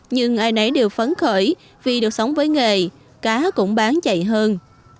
nhưng ai nấy đều phấn khởi vì được sống với nghề cá cũng bán chạy hơn